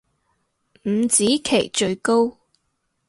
五子棋最高